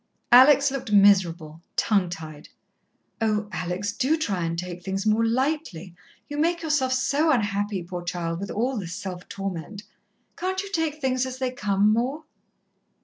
Alex looked miserable, tongue tied. "Oh, Alex, do try and take things more lightly. You make yourself so unhappy, poor child, with all this self torment. Can't you take things as they come, more?"